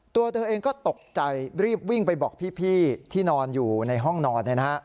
ตัวเธอเองก็ตกใจรีบวิ่งไปบอกพี่ที่นอนอยู่ในห้องนอน